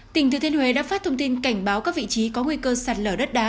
tỉnh thừa thiên huế đã phát thông tin cảnh báo các vị trí có nguy cơ sạt lở đất đá